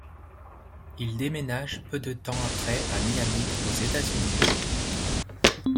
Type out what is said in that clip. Il déménage peu de temps après à Miami aux États-Unis.